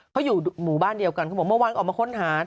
เขาอยู่หมู่บ้านเดียวกันเขาบอกเมื่อวานออกมาค้นหา